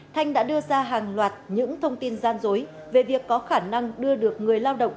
thanh đã đưa ra hàng loạt những thông tin gian dối về việc có khả năng đưa được người lao động